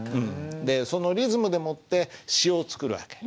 そのリズムでもって詩を作る訳。